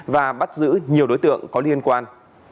và bắt giữ nhiều đối tượng có liên quan